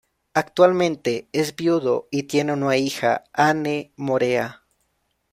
Actualmente es viudo y tiene una hija, Anne Morea.